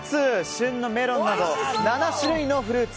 旬のメロンなど７種類のフルーツ。